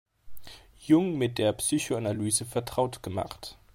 Jung mit der Psychoanalyse vertraut gemacht.